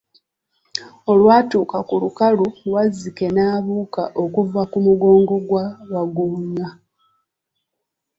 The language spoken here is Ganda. Olwatuuka ku lukalu, Waziike n'abuuka okuva ku mugongo gwa Wagggoonya.